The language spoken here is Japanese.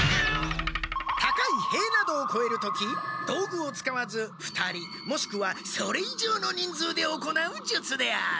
高いへいなどをこえる時道具を使わず２人もしくはそれいじょうの人数で行う術である。